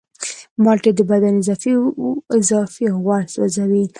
مالټې د بدن اضافي غوړ سوځوي.